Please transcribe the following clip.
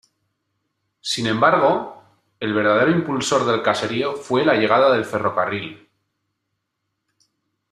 Sin embargo, el verdadero impulsor del caserío fue la llegada del ferrocarril.